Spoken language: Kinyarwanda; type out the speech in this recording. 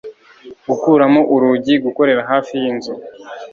Gukuramo urugi gukorera hafi yinzu